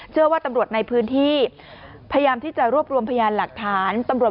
เชื่อว่าตำรวจในพื้นที่พยายามที่จะรวบรวมพยานหลักฐานตำรวจ